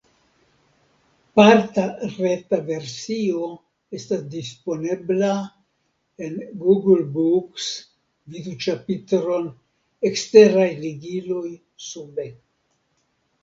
Parta reta versio estas disponebla en Google Books (vidu ĉapitron "Eksteraj ligiloj" sube).